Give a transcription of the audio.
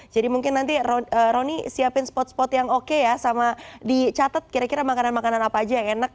jadi mungkin nanti roni siapin spot spot yang oke ya sama dicatat kira kira makanan makanan apa aja yang enak